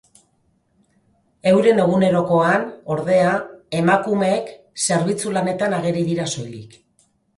Euren egunerokoan, ordea, emakumeak zerbitzu lanetan ageri dira soilik.